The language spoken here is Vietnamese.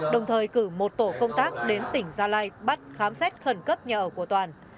đồng thời cử một tổ công tác đến tỉnh gia lai bắt khám xét khẩn cấp nhà ở của toàn